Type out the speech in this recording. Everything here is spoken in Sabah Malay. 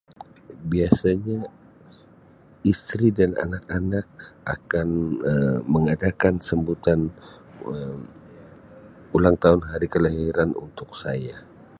Biasanya isteri dan anak-anak akan mengadakan sambutan Um ulang tahun hari kelahiran untuk saya.